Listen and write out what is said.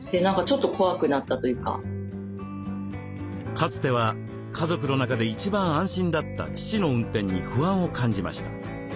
かつては家族の中で一番安心だった父の運転に不安を感じました。